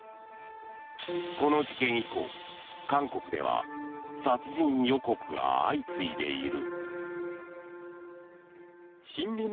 この事件以降、韓国では殺人予告が相次いでいる。